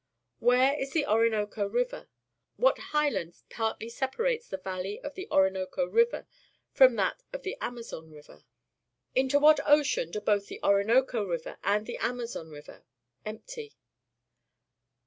Where is the Orinoco River? What highland partly separates the valley of the Orinoco River from that of the Amazon River? Into what ocean do both the Orinoco River and the Amazon River empty?